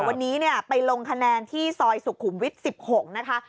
วันนี้เนี่ยไปลงคะแนนที่ซอยสุขุมวิทย์สิบหกนะคะ